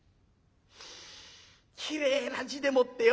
きれいな字でもってよ。